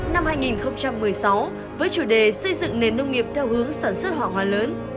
năm hai nghìn một mươi sáu với chủ đề xây dựng nền nông nghiệp theo hướng sản xuất hỏa hóa lớn